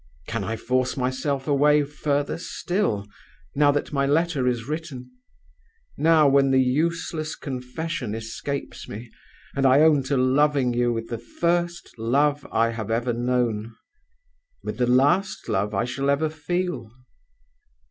Can I force myself away further still, now that my letter is written now, when the useless confession escapes me, and I own to loving you with the first love I have ever known, with the last love I shall ever feel?